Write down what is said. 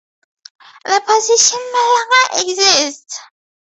The position no longer exists.